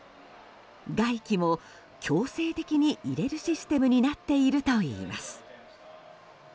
外気も強制的に入れるシステムになっているといいます。